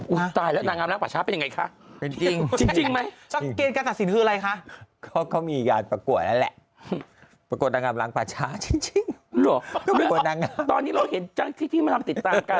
อุ๊ยตายแล้วนางงามล้างปลาชาเป็นอย่างไรคะ